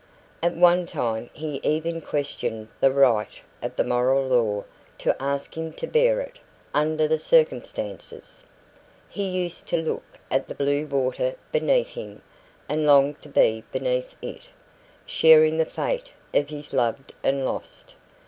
At one time he even questioned the right of the Moral Law to ask him to bear it, under the circumstances. He used to look at the blue water beneath him, and long to be beneath it, sharing the fate of his loved and lost.